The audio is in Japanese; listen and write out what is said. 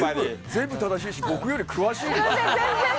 全部正しいし、僕より詳しい。